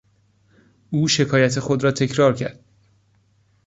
او شکایت خود را تکرار کرد.